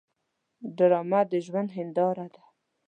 ډرامه د ژوند هنداره ده